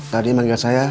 tadi dia manggil saya